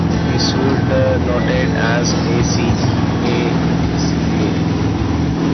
This would notate as A-C-E-A-E-C-A.